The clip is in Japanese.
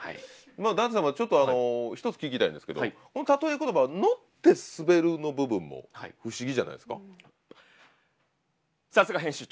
ダテ様ちょっと一つ聞きたいんですけどこのたとえコトバは「乗ってすべる」の部分も不思議じゃないですか？